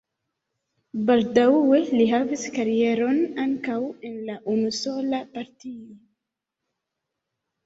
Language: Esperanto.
Baldaŭe li havis karieron ankaŭ en la unusola partio.